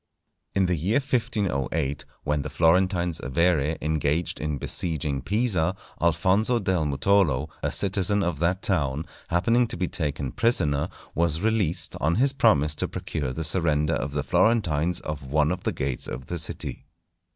In the year 1508, when the Florentines Avere engaged in besieging Pisa, Alfonso del Mutolo, a citizen of that town, happening to be taken prisoner, was released on his promise to procure the surrender to the Florentines of one of the gates of the city.